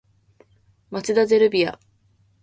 町田ゼルビア